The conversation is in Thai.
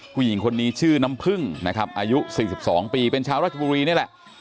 ผู้หญิงคนนี้ชื่อน้ำพึ่งนะครับอายุ๔๒ปีเป็นชาวราชบุรีนี่แหละ